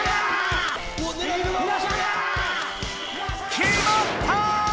きまった！